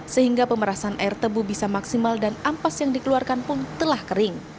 sehingga pemerasan air tebu bisa maksimal dan ampas yang dikeluarkan pun telah kering